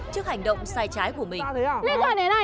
trước hành động sai trái của mình